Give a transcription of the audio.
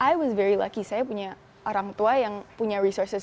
is very lucky saya punya orang tua yang punya resources